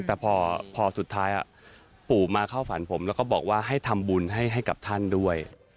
แต่พอสุดท้ายปู่มาเข้าฝันผมแล้วก็บอกว่าให้ทำบุญให้กับท่านด้วย